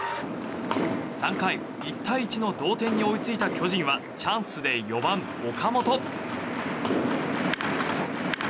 ３回、１対１の同点に追いついた巨人はチャンスで４番、岡本。